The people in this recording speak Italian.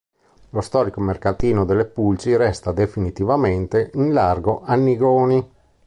Lo storico mercatino delle Pulci resta definitivamente in largo Annigoni.